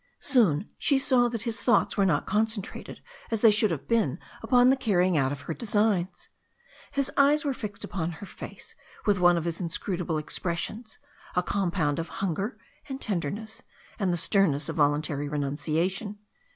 Soon she saw that his thoughts were not concentrated as they should have been upon the carrying out of her de signs. His eyes were fixed upon her face with one of his inscrutable expressions, a compound of hunger and tender ness and the sternness of voluntary renunciation.